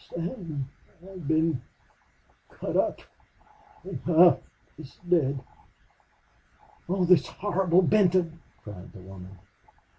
"Stanton, I've been cut up and Hough is dead." "Oh, this horrible Benton!" cried the woman.